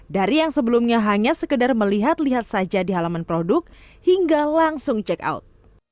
dari yang sebelumnya hanya sekedar melihat lihat saja di halaman produk hingga langsung check out